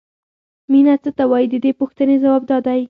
مینه څه ته وایي د دې پوښتنې ځواب دا دی.